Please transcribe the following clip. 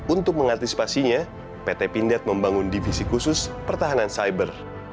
untuk mengantisipasinya pt pindad membangun divisi khusus pertahanan cyber